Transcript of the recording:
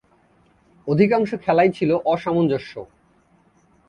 অধিকাংশ খেলাই ছিল অসামঞ্জস্য।